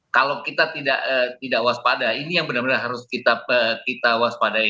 kalau kita tidak waspada ini yang benar benar harus kita waspadai